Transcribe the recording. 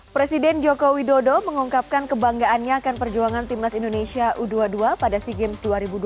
presiden joko widodo mengungkapkan kebanggaannya akan perjuangan timnas indonesia u dua puluh dua pada sea games dua ribu dua puluh tiga